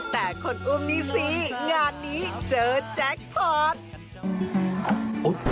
แต่คนอุ้มนี่สิง่านี้เจอแจ๊กพอต